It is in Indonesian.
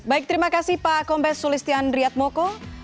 baik terima kasih pak kompes sulistian riadmoko